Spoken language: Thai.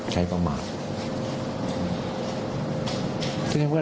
ใช้ประมาท